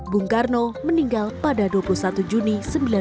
bung karno meninggal pada dua puluh satu juni seribu sembilan ratus enam puluh